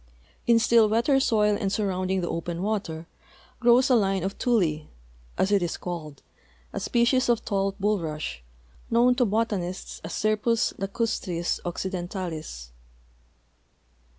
In still wetter soil and surrounding the open water grows a line of tule, as it is called, a species of tall bulrush, known to botanists as Scirpus lacastris occidentalis.